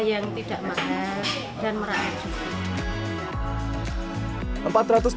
yang tidak mahal dan merah juga